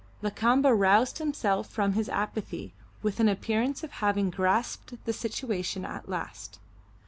Lakamba roused himself from his apathy with an appearance of having grasped the situation at last.